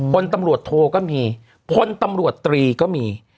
พลตำรวจโทก็มีพลตำรวจตรีก็มี